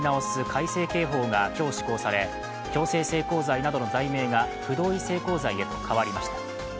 改正刑法が今日、施行され強制性交罪などの罪名が不同意性交罪へと変わりました。